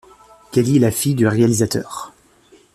Kelly est la fille du réalisateur.